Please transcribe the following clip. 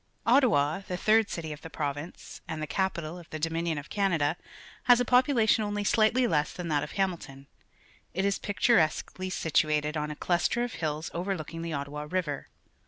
A Street in Hamilton, Ontario Ottawa, the third city of the province andTThe capital of the Dominion of Canada, has a pop ulation only slightly less than that of Hamilton. It is p icturesquely situated on a cluster of hills overlooking the Ottawa R iver.